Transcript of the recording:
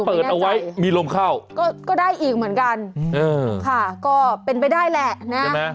เปิดเอาไว้มีลมเข้าก็ได้อีกเหมือนกันค่ะก็เป็นไปได้แหละนะ